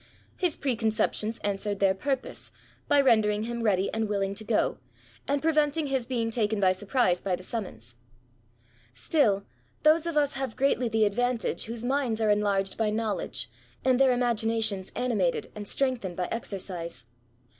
His preconceptions answered their purpose, by ren dering him ready and willing to go, and prevent ing his being taken by surprise by the sumqions. 118 ESSAYS. Stilly those of us haye greatly the adyantage whose minds are enlarged by knowledge^ and their imaginations animated and strengthened by exercise.